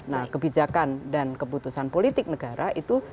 nah kebijakan dan keputusan politik negara itu